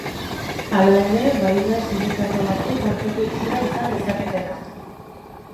Hala ere, badira silikato batzuk antzeko itxura izan dezaketenak.